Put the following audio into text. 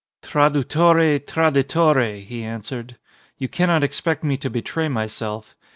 "Tradwtore — tradittore," he answered. "You cannot expect me to betray myself.